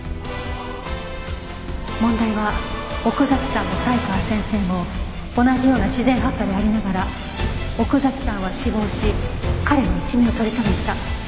問題は奥崎さんも才川先生も同じような自然発火でありながら奥崎さんは死亡し彼は一命を取り留めた。